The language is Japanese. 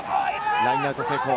ラインアウト成功。